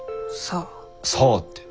さあって。